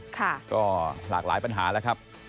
ค่ะก็หลากหลายปัญหาแล้วครับ